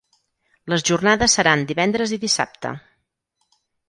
Les jornades seran divendres i dissabte.